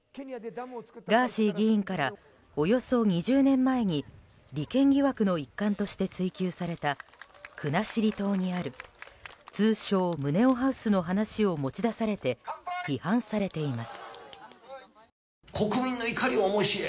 ガーシー議員からおよそ２０年前に利権疑惑の一環として追及された国後島にある通称ムネオハウスの話を持ち出されて批判されています。